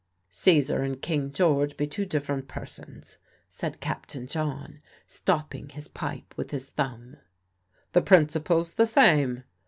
"Caesar and King George be two different persons," said Captain John, stopping his pipe with his thumb. "The principle's the same."